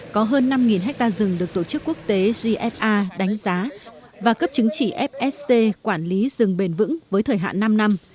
có hơn năm hectare rừng được tổ chức quốc tế gfa đánh giá và cấp chứng chỉ fsc quản lý rừng bền vững với thời hạn năm năm